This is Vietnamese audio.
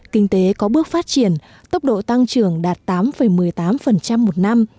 kinh tế có bước phát triển tốc độ tăng trưởng đạt tám một mươi tám một năm